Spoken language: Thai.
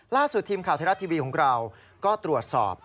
ล่าสุดทีมข่าวไทยรัฐทีวีของเราก็ตรวจสอบ